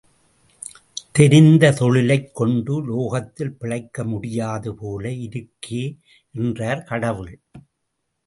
தெரிந்த தொழிலைக் கொண்டு லோகத்தில் பிழைக்க முடியாது போல இருக்கே என்றார் கடவுள்.